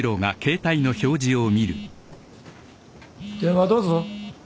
電話どうぞ。